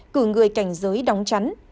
cử người cảnh giới đóng chắn